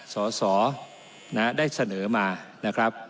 สสได้เสนอมา